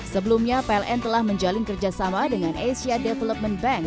sebelumnya pln telah menjalin kerjasama dengan asia development bank